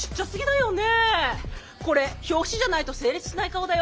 これ表紙じゃないと成立しない顔だよ。